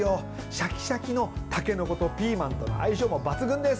シャキシャキのたけのことピーマンとの相性も抜群です。